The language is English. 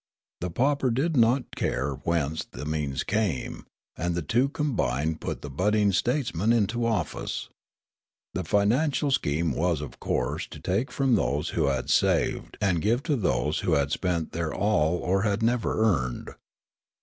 The pauper did not care whence the means came ; and the two combined put the budding statesman into office. The financial scheme was of course to take from those who had saved and to give to those who had spent their all or had never earned.